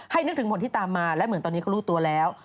นึกถึงผลที่ตามมาและเหมือนตอนนี้เขารู้ตัวแล้ว